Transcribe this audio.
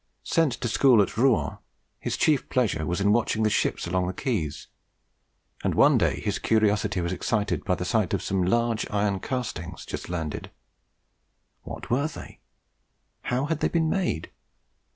Sent to school at Rouen, his chief pleasure was in watching the ships along the quays; and one day his curiosity was excited by the sight of some large iron castings just landed. What were they? How had they been made?